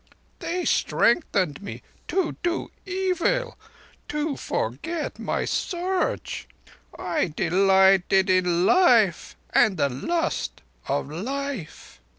They strengthened me to do evil, to forget my Search. I delighted in life and the lust of life.